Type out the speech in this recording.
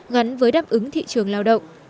gắn với đáp ứng thị trường lao động